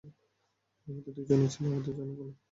এদের মধ্যে দুইজন জেলে, আর দুইজন পলাতক।